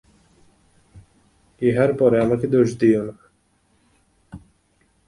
ইহার পরে আমাকে দোষ দিয়ো না।